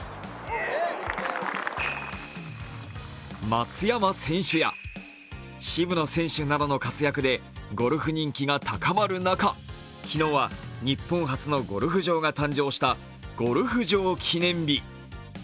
松山選手や渋野選手などの活躍でゴルフ人気が高まる中、昨日は、日本初のゴルフ場が誕生したゴルフ場記念日。